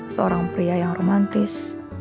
seorang pria yang romantis